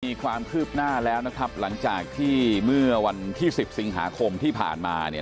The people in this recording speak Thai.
มีความคืบหน้าแล้วนะครับหลังจากที่เมื่อวันที่๑๐สิงหาคมที่ผ่านมาเนี่ย